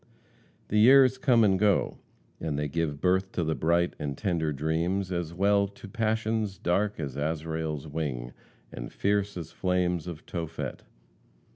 The years come and go, and they give birth to bright and tender dreams, as well as to passions dark as Azrael's wing, and fierce as flames of Tophet.